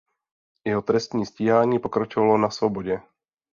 Jeho trestní stíhání pokračovalo na svobodě.